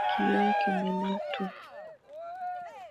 Kioo kimeletwa.